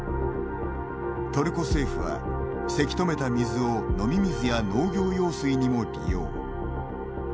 トルコ政府は、せき止めた水を飲み水や農業用水にも利用。